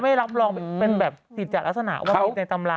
ไม่รับรองเป็นแบบกิจจัดลักษณะว่าเขาในตำรา